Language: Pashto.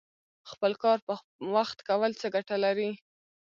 خپل کار په وخت کول څه ګټه لري؟